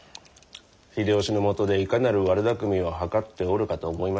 秀吉のもとでいかなる悪だくみを謀っておるかと思いましてな。